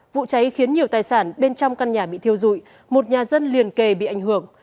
vụ cháy khiến nhiều tài sản bên trong căn nhà bị thiêu dụi một nhà dân liền kề bị ảnh hưởng